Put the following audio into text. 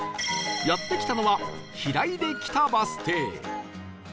やって来たのは平出北バス停